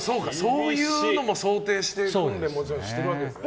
そういうのも想定して訓練してるわけですね。